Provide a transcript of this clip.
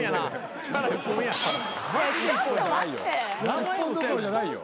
一本どころじゃないよ。